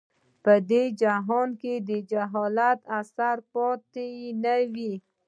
په دې جهان کې د جاهلیت اثر پاتې نه وي.